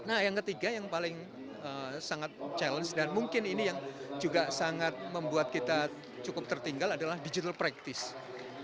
nah yang ketiga yang paling sangat challenge dan mungkin ini yang juga sangat membuat kita cukup tertinggal adalah digital practice